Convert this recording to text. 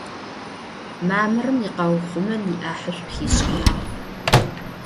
Mamırım yikheuxhumen yi'ahış'u xiş'ıhağ.